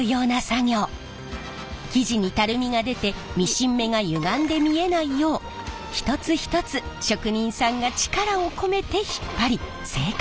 生地にたるみが出てミシン目がゆがんで見えないよう一つ一つ職人さんが力を込めて引っ張り正確な位置に。